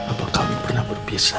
apakah kami pernah berpisah